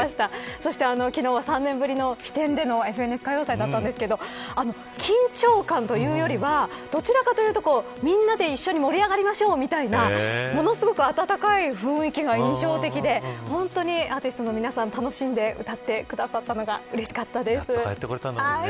昨日は３年ぶりの飛天でのＦＮＳ歌謡祭でしたが緊張感というよりはどちらかというとみんなで一緒に盛り上がりましょうみたいなものすごい温かい雰囲気が印象的で本当にアーティストの皆さん楽しんで歌ってくださったのがうれしいです。